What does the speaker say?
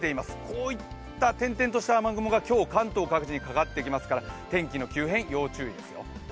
こういった点々とした雨雲が今日、関東各地にかかってきますから天気の急変、要注意ですよ。